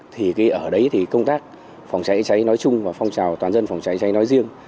thì ở đấy thì công tác phòng cháy cháy nói chung và phong trào toàn dân phòng cháy cháy nói riêng